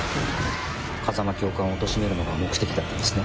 風間教官をおとしめることが目的だったんですね。